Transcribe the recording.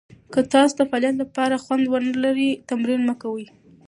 که تاسو د فعالیت لپاره خوند ونه لرئ، تمرین مه کوئ.